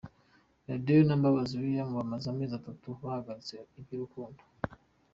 Radio na Mbabazi Lilian bamaze amezi atatu bahagaritse iby’urukundo.